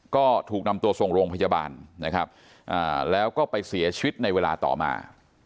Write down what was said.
ก็ถูกนำตัวส่งโรงพยาบาลนะครับแล้วก็ไปเสียชีวิตในเวลาต่อมา